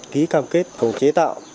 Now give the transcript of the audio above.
ký cam kết không chế tạo